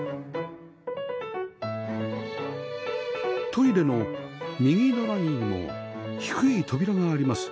トイレの右隣にも低い扉があります